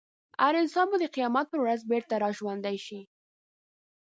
هر انسان به د قیامت په ورځ بېرته راژوندی شي.